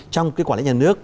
trong cái quản lý nhà nước